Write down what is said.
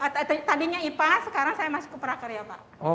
tadinya ipa sekarang saya masuk ke prakarya pak